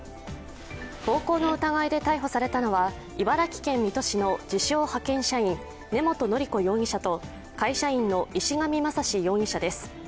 暴行の疑いで逮捕されたのは、茨城県水戸市の自称・派遣社員、根本法子容疑者と会社員の石神全士容疑者です。